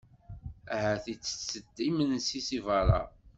Ahat itett-d imensi si berra.